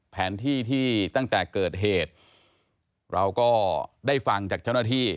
แผนที่ที่ตั้งแต่เกิดเหตุเราก็ได้ฟังจากเจ้าหน้าที่